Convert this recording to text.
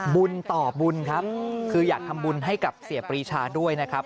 บุญต่อบุญครับคืออยากทำบุญให้กับเสียปรีชาด้วยนะครับ